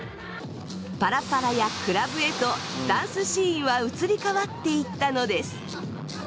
パラパラやクラブへとダンスシーンは移り変わっていったのです。